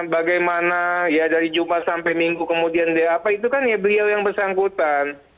bagaimana ya dari jumat sampai minggu kemudian apa itu kan ya beliau yang bersangkutan